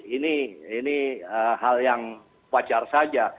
ini hal yang wajar saja